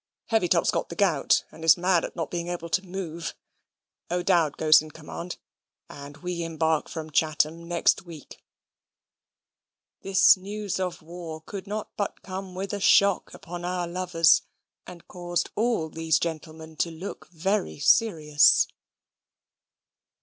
Heavytop's got the gout, and is mad at not being able to move. O'Dowd goes in command, and we embark from Chatham next week." This news of war could not but come with a shock upon our lovers, and caused all these gentlemen to look very serious.